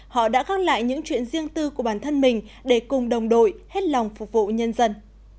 họ đã gác lại những chuyện riêng tư của bản thân mình để cùng đồng đội hết lòng phục vụ nhân dân